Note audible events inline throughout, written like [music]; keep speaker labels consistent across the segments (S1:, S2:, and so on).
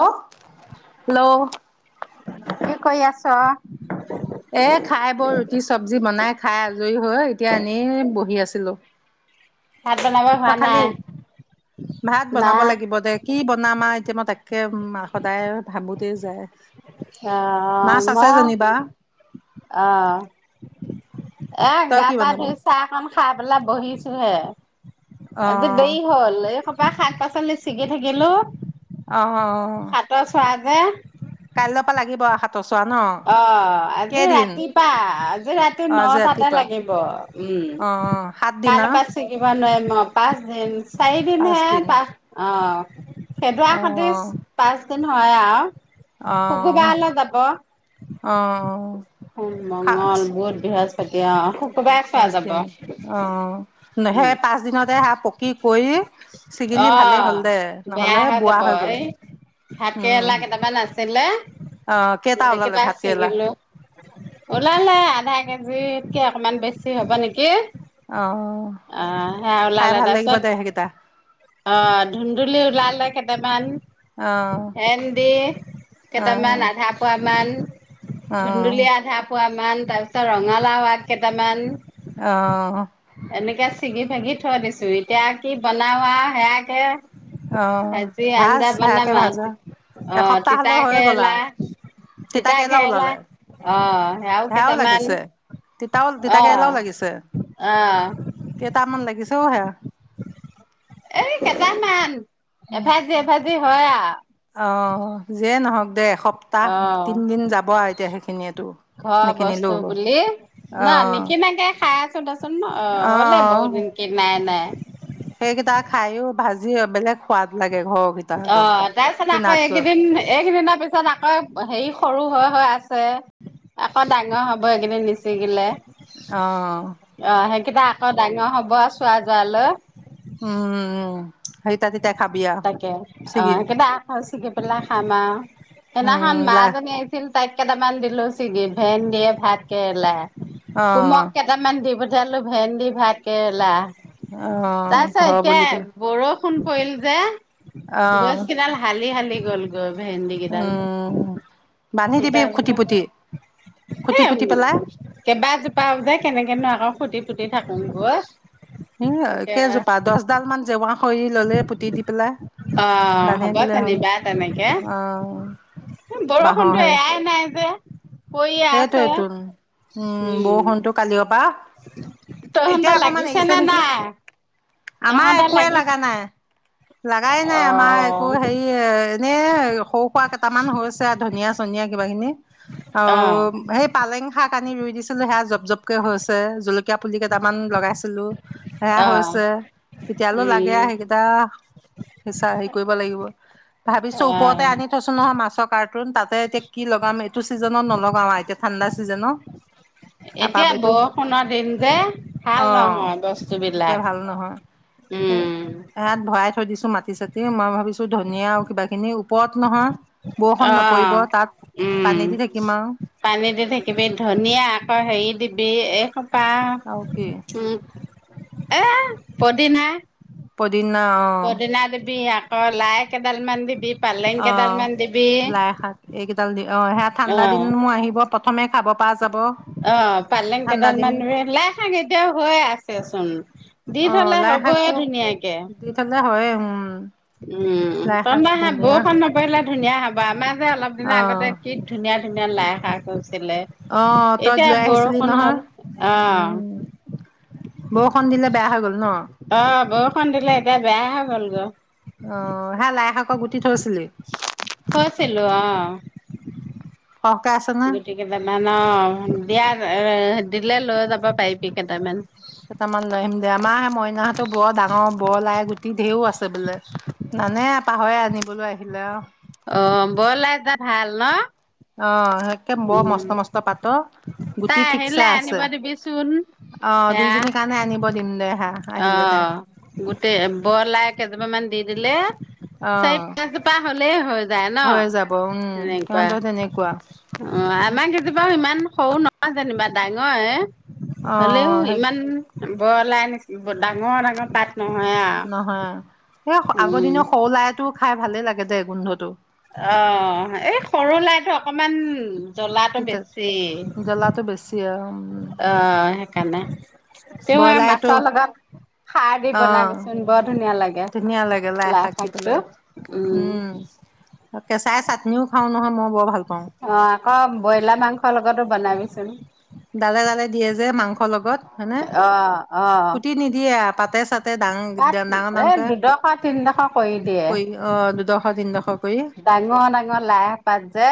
S1: Hello hello
S2: কি কৰি আছ
S1: এ খাই বই ৰুটি চঞ্জী বনাই খাই আজৰি হৈ এতিয়া এনেই বহি আছো পতিলো
S2: ভাত বনাব হোৱা
S1: তই খালি
S2: নাই,
S1: ভাত বনাব
S2: নাই
S1: লাগিব দে কি বনামা এটিয়া তিম তেক সদায় ভাবো দে যায়
S2: অ
S1: মাছ আছে
S2: মই
S1: যেনিবা
S2: অ এ
S1: তই
S2: গা
S1: কি
S2: পা
S1: বনাবি
S2: ধুই চাহখন খাই পেলা বহিছো হে
S1: অ
S2: আজি দে ই'হল এইখন শাক পাচলি ছিগি থাকিলো
S1: আহ অ
S2: হাতৰ চোৱা যে
S1: কাইলৈৰ পৰা লাগিবা হাত
S2: অ আজি ৰাতিপা আজি ৰাতি
S1: অ আজি
S2: নটাতে
S1: ৰাতিপুৱা
S2: লাগিব উম
S1: অ সাত দিন
S2: কালৈ
S1: আৰু
S2: পৰা ছিগিব নোৱাৰিম অ পাঁচ দিন চাৰিদিন হে
S1: পাঁচদিন
S2: পাহ অ [unintelligible] খেদোৱা
S1: অ
S2: সোদি পাচ নহয় আৱ শুক্ৰবাৰলে যাব মংগল, বুধ, বৃহস্পতি। অ' শুকুৰবাৰে খোৱা যাব।
S1: পাচদিন আহ সেই পাঁচ দিনতে হা পকি কৰি ছিগিলি ভালেই
S2: অ'
S1: হল দে
S2: বেয়া
S1: নহলে বোৱা
S2: যাব
S1: হৈ গল
S2: এই ভাত কেৰেলা
S1: উম' অহ,
S2: সেই কেইটা ছিগিলো ওলালে আধা কেজি। কে অকমান বেছি হ'ব নেকি?
S1: অ
S2: অ' সেয়া
S1: খাই
S2: ওলালে
S1: ভাল লাগিব
S2: তাৰপিছত
S1: দে সেইকেইটা
S2: অহ ধুন্দুলি ওলালে। কেইটামান,
S1: অ
S2: ভেন্দে
S1: অ
S2: কেইটামান আধা। মান
S1: অ
S2: ধুন্দুলিয়ীয়া আধা পোৱা তাৰপিছত ৰঙালাও আগ কেইটামান।
S1: অহ
S2: এনেকে চিগি-ভাগি থৈ দিছো এতিয়া কি বনাও আৰু সেয়াকে।
S1: অ
S2: আজি
S1: ভাজ
S2: আঞ্জা
S1: সেয়াকে
S2: বনাম
S1: ভাজা
S2: অহ
S1: এসপ্তাহ হলে
S2: তিতা
S1: হৈ গ'ল
S2: কেৰেলা,
S1: আও
S2: তিতা কেৰেলালা অ', আৰু
S1: সেৱাও
S2: কেইটামান
S1: লাগিছে তিতাও তিতা
S2: অ'
S1: কেৰেলাও লাগিছে।
S2: অ'
S1: কেটা মান লাগিছে অ' হে।
S2: এ কেইটামান। এভাজি-এভাজি হয় আ'
S1: অঁ যিয়ে নহওক দে। সপ্তাহ তিনিদিন যাব আৰু এতিয়া সেই [unintelligible]
S2: ঘৰ বস্তু বুলি ন
S1: অঁ
S2: নিকিনাকে খায়। চা [inaudible] অ' হ'লে
S1: অঁ
S2: বহুত দিন কি নাই-নাই। [unintelligible]
S1: সেইকেইটা খাইও ভাজি বেলেগ সোৱাদ লাগে। ঘৰৰকেইটা আকৌ
S2: অ' তাৰপিছত আকৌ
S1: কিনাতকৈ
S2: এইকেইদিন এইকেইদিনৰ পিছত আকৌ হেৰি সৰু হৈ-হৈ আছে আকৌ ডাঙৰ হব সেইকি নিচিগিলে।
S1: অহ
S2: কিবা আকৌ ডাঙৰ হ'ব চোৱা জাৱালৈ।
S1: হেয় তাতে
S2: তাকে অকেইটা আখ চগি পেলাই খাম আৰু সেইদিনাখন
S1: উম
S2: মা
S1: লা
S2: জনী আহিছিল। চাই কেইটামান দিলো ছিগি ভেন দিয়ে ভাত কেলাই।
S1: অঁ
S2: কুমক কেইটামান দিব দি পঠালোঁ ভেন্দি, ভাত কেৰেলা।
S1: অঁ
S2: তাৰ পিছত
S1: ঘৰ
S2: এতিয়া
S1: বুলি পেলাই
S2: বৰষ ফোন কৰিল লে
S1: অঁ
S2: গছ কেইদাল হালি হালি লি গ'লগৈ। ভেন্দি কেইডাল,
S1: উম বান্ধি দিবি
S2: জিকা
S1: খুটি
S2: জোপা,
S1: পুটি খুটি
S2: সেই
S1: পুটি পেলাই
S2: কেইবাজোপাও যে কেনেকেনো আকৌ খুটি পুটি থাকোঙগৈ।
S1: উম, কেইজোপা? দহ ডাল মান জেওঁৰা
S2: অ'
S1: বান্ধি
S2: হ'ব
S1: দিলে হ'ল
S2: যেনিবা তেনেকে,
S1: অ
S2: বৰষুণতো এৰাই নাই যে। পৰিয়ে
S1: সেইটো
S2: আছে
S1: টোন উম, বৰষুণটো কালি অ' পা।
S2: তহতৰ লাগিছে নে নাই?
S1: আমাৰ
S2: তহঁতৰ
S1: একোৱে
S2: লাগি
S1: লাগা নাই। লাগাই
S2: অ
S1: নাই আমাৰ একো হেৰি এ এনে সৰু সোৱা কেইটামান হৈছে আৰু ধনিয়া চনিয়া। কিবাখিনি অ'। অ' সেই পালেং শাক কানি ৰুই দিছিলো সেয়া জপ জপকে হৈছে জলক জিকা পুলি কেইটামান লগাইছিলো সেয়া
S2: অ
S1: হৈছে কেতিয়ালো লাগে
S2: উম
S1: সেইকেইটা সিচা হেৰি কৰিব লাগিব, ভাবিছো
S2: অ
S1: ওপৰতে আনি থৈছো নহয় মাছৰ কাৰ টুন তাতে এতি কি লগাম এইটো চিজনত নলগ এতিয়া ঠাণ্ডা চিজনত টাপা
S2: এতিয়া
S1: এইটো,
S2: বৰষুণৰ দিন যে ভাল
S1: অ'
S2: নহয়
S1: এতিয়া
S2: বস্তুবিলাক
S1: ভাল নহয়,
S2: উম
S1: ইয়াত ভৰাই থৈ দিছো মাত [unintelligible] মই ভাবিছো ধনিয়া আৰু কিবা খিনিও। ওপৰত নহয়,
S2: অ
S1: বৰষুণ নপৰিব তাত
S2: উম
S1: পানী দি থাকিম আৰু।
S2: পানী দি থাকিবি, ধনিয়া আকৌ হেৰি দিবি এইখন পা
S1: আৰু কি
S2: উম এ পদিনা।
S1: পদিনা
S2: পদিনা দিবি আক [unintelligible] লাই কেদাল মান দিবি। পালেং
S1: অ'
S2: কেইডালমান দিবি
S1: লাই শাক এইকেইডাল দি, অ' সেয়া ঠাণ্ডা দিনো আহিব। প্ৰথমে খাব পৰা যাব
S2: অহ ', পালেং
S1: ঠাণ্ডা
S2: কেইডাল
S1: দিন
S2: মান লাই শাক এতিয়াও হৈ আছেচোন। দি
S1: অ
S2: থ'লে
S1: লাই
S2: হ'বই
S1: শাকটো
S2: ধুনীয়াকে।
S1: দি থলে হয় উম ',
S2: উম [unintelligible] বৰষুণ নপৰিলে। ধুনীয়া হ'ব আমাৰ। অলপ
S1: অ
S2: দিনা আগতে কি ধুনীয়া সেদিনা লাই শাক কৰিছে।
S1: অহ ', তইত লৈ আহিছিলি
S2: হ'ল।
S1: নহয়
S2: অ',
S1: উম। বৰষুণ দিলে বেয়া হৈ গল ন,
S2: অ', বৰষুণ দিলে এতিয়া বেয়া হৈ গ'লগৈ,
S1: অহ ', হে লাই শাক গুটি থৈছিলি।
S2: থৈছিলো অহ
S1: সৰহকে আছে নে
S2: ', গোট কেইটা মানৰ দিয়াৰ। এ দিলে লৈ যাবা পাৰিবি কেইটামান।
S1: কেইটামান লৈ আহিম দে আমাৰ সেই মইনাহঁতো বৰ ডাঙৰ বৰ লাই গুটি ঢেৰো নিবলৈ আহিলে আৰু।
S2: অহ ', বৌৰ লৰা কেইটা ভাল ন।
S1: অহ ', একে বৰ
S2: উম,
S1: মস্ত - মস্ত পাতৰ
S2: তাই
S1: গুটি ঠিকছে
S2: আহিলে
S1: আছে
S2: আনিব দিবিচোন,
S1: অহ ',
S2: সেয়া
S1: দুইজনীৰ কাৰণে আনিব দিম দে হা আহিলে তাই।
S2: অ', গোটেই বৰ লাই কেইজোপা মান দি দিলে।
S1: অ
S2: চাৰি পাঁচজোপা হলেই হৈ যায় ন
S1: হৈ যাব উম
S2: সেনেকুৱা।
S1: তহঁতৰ তেনেকুৱা
S2: অহ', আমাৰ কেতিয়াবা ইমান সৰু নহয় যেনিবা ডাঙৰ এ
S1: অ
S2: হলেও
S1: সেই
S2: ইমান বলাই ডাঙৰ - ডাঙৰ পাত। নহয় আৰু।
S1: নহয় সেই আগৰ
S2: উম,
S1: দিনৰ সৰু লাইটো খাই ভালে লাগে দে গোন্ধটো।
S2: অহ ', এই সৰু লাইটো অকমান জ্বলাটো
S1: তিতা
S2: বেছি।
S1: জ্বলাটো বেছি আৰু উম
S2: অহ ', সেইকাৰণে তেওঁ
S1: ব্ৰইলাৰটো
S2: মাছৰ লগত সাৰ দি
S1: অ
S2: বনাবিচোন বৰ ধুনীয়া লাগে
S1: ধুনীয়া লাগে শাক
S2: লাই শাকটো
S1: কেইডালৰ
S2: উম।
S1: কেচাই চাটনিও খাও নহয় মই বৰ ভাল পাওঁ
S2: অহ ', অহ ', ব্ৰইলাৰ মাংসৰ লগতো বনাবিচোন।
S1: ডালে - ডালে দিয়ে যে মাংস লগত। হয়নে
S2: অহ ', - অহ ',
S1: তাতে চা
S2: কঠ এ দুদ কঠ তি দেখ কৰি দিয়ে
S1: অ দুডোখৰ তিনডোখৰ কৰি
S2: ডাঙৰ ডাঙৰ লাই পাত যে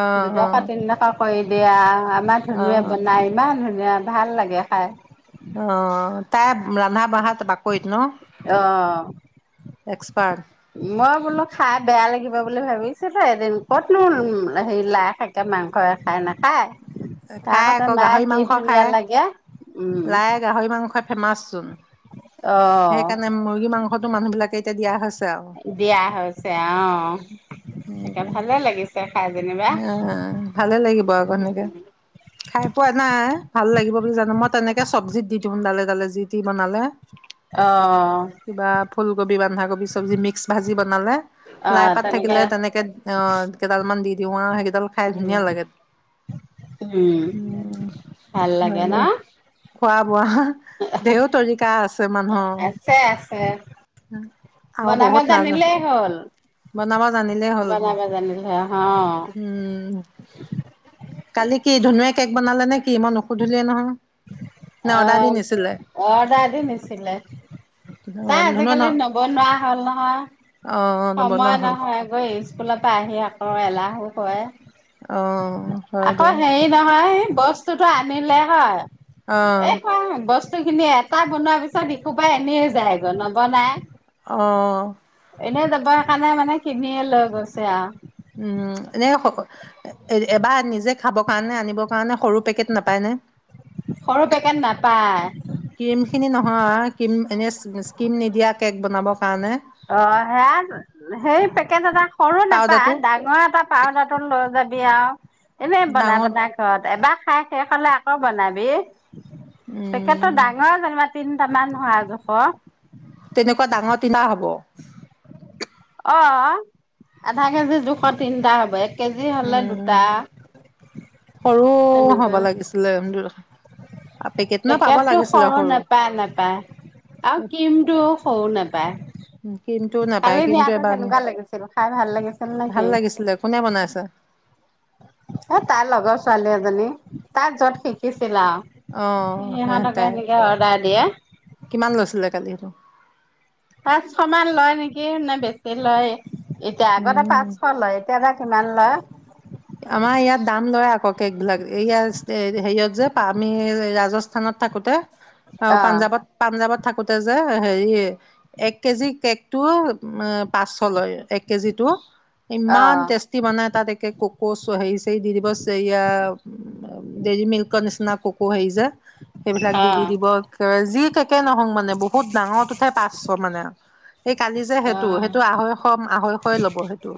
S1: অ অ
S2: দুটুকুৰা তিনি টুকুৰা কৰি দ বয়া [unintelligible] আমাৰ
S1: অ
S2: ধনুুৱে বনাই ইমান ধুন- ধুনীয়া ভাল লাগে খাই।
S1: অ তাই ৰন্ধা বঢ়াত বাকৰিত ন
S2: অ!
S1: পাৰ
S2: মই বোলো খাই বেয়া লাগিব বুলি ভাবিছিলো এদিন, কতনো হেৰি লাই শাকে মাংসই খাই নাখায়। তাৰ
S1: খাই
S2: কৈছে
S1: আকৌ
S2: মায়ে
S1: গাহৰি
S2: কি
S1: মাংস
S2: ধুনীয়া
S1: খায়
S2: লাগে উম
S1: লাই গাহৰি মাংস ফেমাচ চোন,
S2: অ
S1: সেইকাৰণে মুৰ্গী মাংসটো মানুহ বিলাকে [unintelligible] দিয়া হৈছে। আৰু।
S2: দিয়া হৈছে আহ তে ভালে লাগিছে খাই যেনিবা,
S1: অ' ভালে লাগিব আকৌ সেনেকে। খাই পোৱা নাই। [unintelligible] ভাল লাগিব বুলি জানো মই তেনেকে চব্জিত দি দিম দালে ডালে যি তি বনালে
S2: অ!
S1: কিবা ফুলকবি কবি বন্ধা কবি চব্জি মিক্স ভাজি বনালেলাই পাত থাকিলে তেনেকে অ কেইডাল মান দি দিও আৰু [unintelligible] ডাল খাই
S2: উম,
S1: ধুনীয়া লাগে।
S2: উম,
S1: উম
S2: ভাল
S1: হয়
S2: লাগে ন?
S1: দে খোৱা বোৱা ঢেউ তৰিকা আছে মানুহৰ
S2: আছে, আছে
S1: আৰু
S2: বনাব
S1: বহুত নাজানো
S2: জানিলেই হ'ল,
S1: বনাব, জানিলেই হ'ল।
S2: বনাব জানিলে আহ,
S1: উম [unintelligible] কেক বনালে নে কি মই নুসুধিলোৱে নহয় নে
S2: অ
S1: অৰ্ডাৰ দি নিছিলে
S2: অৰ্ডাৰ দি নিছিলে
S1: অ
S2: তাই
S1: ধুনুৱে ন
S2: আজিকালি নবনুৱা হ'ল নহয়
S1: অ নবনোৱা
S2: সময়
S1: হ'ল
S2: নহয় গৈ [unintelligible] স্কুলৰ পৰা আহি আকৌ এলাহো কৰে
S1: অ হয়
S2: আকৌ
S1: দে
S2: হেৰি নহয়, বস্ -স্তুটো আনিলে হয়।
S1: অ
S2: [unintelligible] বস্তু খিনি এটা বনোৱাৰ পিছত ইসোপা এনেই যায় নবনাই।
S1: অ!
S2: এনে যাবৰ কাৰণে মানে কিনিয়ে লৈ গৈছে আৰু
S1: উম এনে এবাৰ নিজে খাবৰ কাৰণে আনিব কাৰণে সৰু পেকেট নাপায় নে,
S2: সৰু পেকেট নাপায়।
S1: ক্ৰীম খিনি নহয় ক্ৰীম এনে ক্ৰীম নিদিয়া কেক বনাবৰ কাৰণে,
S2: অ সেয়া সেই পেকেট এটা সৰু
S1: পাউদাৰটো
S2: নেপায় ডাঙৰ এটা পাউদাৰটো লৈ যাবি ব্যা এনেই বনাই
S1: ডাঙৰ
S2: বনাই ঘৰত এবা খাই শেষ হ'লে আকৌ বনাবি। পেকেটটো
S1: উম
S2: ডাঙৰ যেনিবা। তিনটা মান হয় আও জোখৰ।
S1: তেনেকুৱা ডাঙৰ টিনা হ'ব।
S2: অ' আধা কেজি জোখ তিনটা হ'ব। এক কেজি হ'লে
S1: উম
S2: দুটা
S1: সৰু হ'ব
S2: তেনেকুৱা,
S1: লাগিছিলে পেকেট ন পাব
S2: পেকেটটো
S1: লাগিছিলে
S2: সৰু নাপায় নাপায় আৰু ক্ৰীমটো সৰু নেপায়।
S1: কিন্তু, নাপায় কিন্তু
S2: তই কেনেকুৱা লাগিছিল খাই ভাল লাগিছিল
S1: ভাল
S2: নেকি?
S1: লাগিছিলে কোনে বনাইছে
S2: এ তাৰ লগৰ ছোৱালী এজনী তাৰ য'ত শিকিছ ছিলা,
S1: অ
S2: সিহঁতকে
S1: তাই
S2: সেনেকে অৰ্ডাৰ দিয়ে।
S1: কিমান লৈছিলে কালি সেইটো
S2: পাঁচশ মান লয় নেকি নে বেছি লয়। এতিয়া আগতে
S1: উম
S2: পাঁচশ লয় এতিয়া যে কিমান লয়?
S1: আমাৰ ইয়াত দাম লয় আকৌ কেক বিলাক এইয়া হেৰিয়ত যে পামি ৰাজস্থানত থাকোঁতে অ পাঞ্জাৱত পাঞ্জাৱত থাকোতে যে হেৰি এক কেজি কেকটো পাঁচশ লয় এক কেজিটো
S2: অ
S1: ইমান টেষ্টি বনাই তাত একে কৌকৌছ চ সেইছ তেই দি দিৱস ইয়া ডৰি মিল্ককৰ নিচিনা কক সেই যে সেইবিলাক দি দি দিব
S2: অ
S1: কে যি একে নহওঁ মানে বহুত ডাঙৰ উঠে পাঁচশ মানে এই কালি যে সেইটো সেইটো আঢ়ৈশ আঢ়ৈশয় ল'ব সেইটো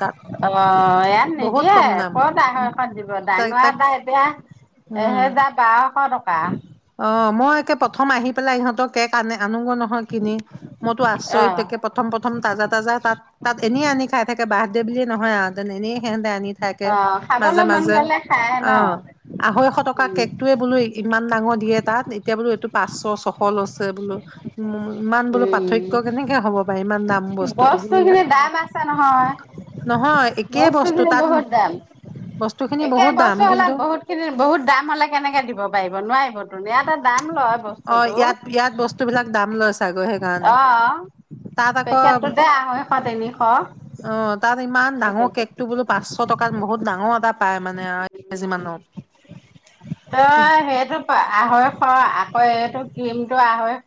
S1: তাত
S2: অ অ ইয়াত
S1: বহুত
S2: নিদিয়ে
S1: কম
S2: ক'ত
S1: দাম
S2: আঢ়ৈশ দিব
S1: তাক
S2: ডাঙৰ
S1: তাক
S2: এটা এতিয়া
S1: উম
S2: এহেজাৰ বাৰশ টকা বা
S1: অ মই একে প্ৰথম আহি পেলাই ইহঁতৰ কেক আনে আনোগ নহয় কিনি মইতো
S2: অ
S1: আচৰিত থকে প্ৰথম প্ৰথম তাজা তাজা তাত তাত এনেই আনি খাই থাকে বাৰ্থডে বুলিয়ে নহয় আহঁতেন এনে সেহেতে আনি থাকে
S2: অ
S1: মাজে
S2: খাবলৈ মন
S1: মাজে
S2: গলে খাই ন
S1: অ আঢ়ৈশ টকা
S2: উম
S1: কেকটোয়ে বোলো ইমান ডাঙৰ দিয়ে তাত এতিয়া বোলো, এইটো পাঁচশ, ছশ লৈছে বোলো। ইমান বোলো
S2: উম,
S1: পাৰ্থক্য কেনেকে হ'ব পাৰে ইমান দাম বস্তুটো
S2: বস্তু
S1: বোলো ইয়াত
S2: খিনি দাম আছে নহয়,
S1: নহয় একেই
S2: বস্তু খিনি
S1: তাত
S2: বহুত দাম
S1: বস্তু খিনি
S2: একে
S1: বহুত দাম
S2: বস্তু হলে
S1: কিন্তু
S2: বহুত খিনি বহুত দাম হ'লে কেনেকে দিব পাৰিব নোৱাৰিব। ধুনীয়া এটা দাম
S1: অ' ইয়াত, ইয়াত বস্তু বিলাক দাম লৈছে। ছাগই সেইকাৰণে
S2: অ
S1: তাত আকৌ
S2: পেকেটটোতে আঢ়ৈশ তিনিশ
S1: অ' তাত ইমান ডাঙৰ
S2: পেকেটটো
S1: কেকটো পাঁচশ টকাত, বহুত ডাঙৰ এটা পায়। পা
S2: তই সেইটো পৰা আঢ়ৈশ আকৌ এইটো ক্ৰীমটো আঢ়ৈশ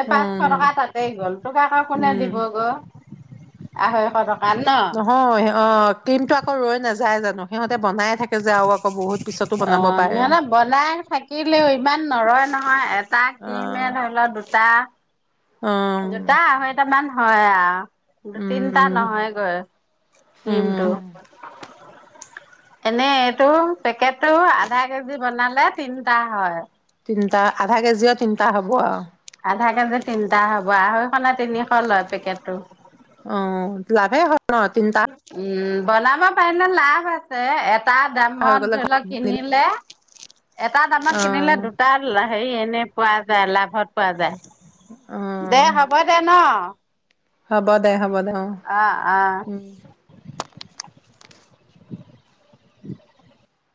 S2: এ পাঁচশ
S1: উম
S2: টকা তাতেই গ'ল, তোক আকৌ কোনে
S1: উম
S2: দিব গৈ আঢ়ৈশ টকা।
S1: নহয় অ' ক্ৰীমতটো আকৌ ৰৈ নাযায়। যাই জানো সিহঁতে বনাই থাকে যে আৰু আকৌ বহুত পিছতো বনাব
S2: অ'
S1: পাৰে
S2: সিহঁতে বনাই থাকিলেও ইমান নৰয় নহয়, এটা
S1: অ
S2: ক্ৰীমে ধৰি লও দুটা
S1: অ
S2: জোতা হয় এটা মান হয় আৰু। তিনটা
S1: উম
S2: নহয়গৈ
S1: উম
S2: ক্ৰীমটো। এনেই এইটো পেকেটটো আধা কেজি বনালে তিনটা হয়।
S1: তিনিটা আধা কেজি, তিনিটা হ'ব আৰু
S2: আধা কেজি তিনটা হ'ব, আঢ়ৈশ নে তিনিশ লয় পেকেটটো
S1: অ' লাভে হয়। ন তিনটা
S2: উম। বনাব পাৰিলে লাভ আছে। এটা
S1: হৈ
S2: দামত
S1: গ'লে ঘ
S2: ধৰি লওক কিনিলে, এটা দামত
S1: অ
S2: কিনিলে দুটা লাহে সেই এনেই পোৱা যায়, লাভত পোৱা
S1: অ
S2: যায়। দে হ'ব দে ন।
S1: হ'ব দে হ'ব, দে অ উম'।
S2: [inaudible]